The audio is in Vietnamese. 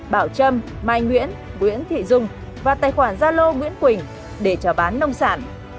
bảo trâm mai nguyễn nguyễn thị dung và tài khoản zalo nguyễn quỳnh để trả bán nông sản